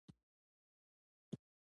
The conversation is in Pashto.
ولایتونه د ځانګړې جغرافیې استازیتوب کوي.